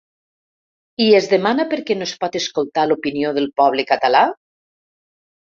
I es demana per què no es pot escoltar l’opinió del poble català?